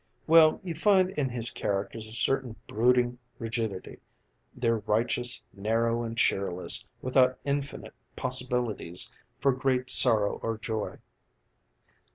"Well, you find in his characters a certain brooding rigidity. They're righteous, narrow, and cheerless, without infinite possibilities for great sorrow or joy."